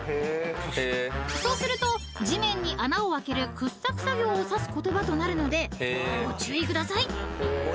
［そうすると地面に穴を開ける掘削作業を指す言葉となるのでご注意ください］